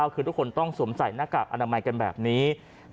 คือทุกคนต้องสวมใส่หน้ากากอนามัยกันแบบนี้